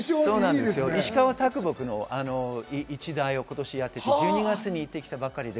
石川啄木の１代を今年やっていて、１２月に行ってきたばかりです。